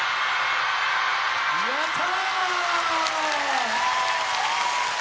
やった！